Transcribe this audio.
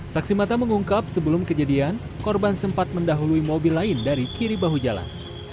saksi mata mengungkap sebelum kejadian korban sempat mendahului mobil lain dari kiri bahu jalan